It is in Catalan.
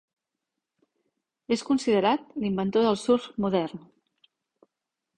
És considerat l'inventor del surf modern.